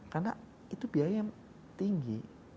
karena itu biaya yang tinggi